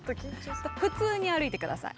普通に歩いて下さい。